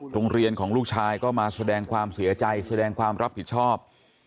โรงเรียนของลูกชายก็มาแสดงความเสียใจแสดงความรับผิดชอบ